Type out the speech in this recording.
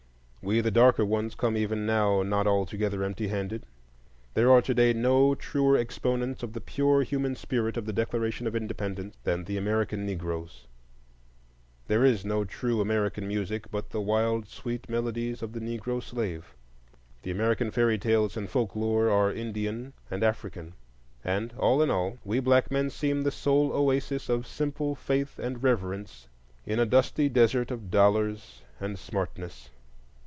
We the darker ones come even now not altogether empty handed: there are to day no truer exponents of the pure human spirit of the Declaration of Independence than the American Negroes; there is no true American music but the wild sweet melodies of the Negro slave; the American fairy tales and folklore are Indian and African; and, all in all, we black men seem the sole oasis of simple faith and reverence in a dusty desert of dollars and smartness.